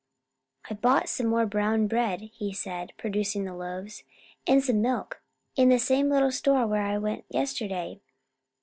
"I bought some more brown bread," he said, producing the loaves, "and some more milk in the same little store where I went yesterday.